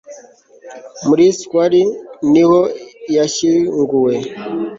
muri shawl niho yashyinguwe